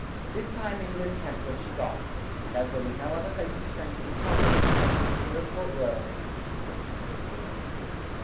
This time England kept what she had got; and as there was no other place of strength in the province, the capture of Port Royal meant the conquest of Acadia.